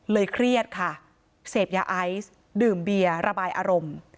เครียดค่ะเสพยาไอซ์ดื่มเบียร์ระบายอารมณ์